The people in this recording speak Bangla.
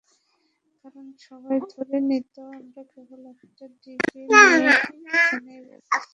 কারণ, সবাই ধরে নিত আমরা কেবল একটা ডিগ্রি নিতে ওখানে গেছি।